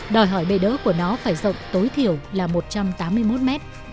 đòi hỏi bệ đỡ của nó phải rộng tối thiểu là một m